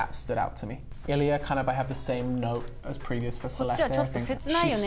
そんなこっちはちょっと切ないよね。